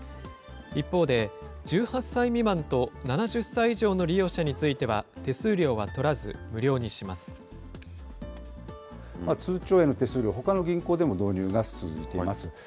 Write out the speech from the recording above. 一方で、１８歳未満と７０歳以上の利用者については手数料は取らず、無料通帳への手数料、ほかの銀行でも導入が進んでいます。